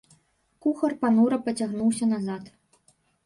Кухар панура пацягнуўся назад.